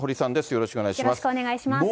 よろしくお願いします。